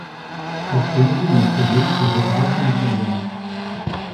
Так што не думаю, што для іх гэта важная праблема.